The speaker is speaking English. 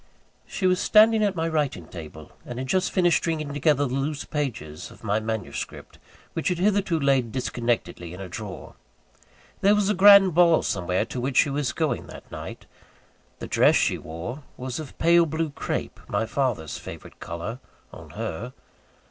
She was standing at my writing table, and had just finished stringing together the loose pages of my manuscript, which had hitherto laid disconnectedly in a drawer. There was a grand ball somewhere, to which she was going that night. The dress she wore was of pale blue crape (my father's favourite colour, on her).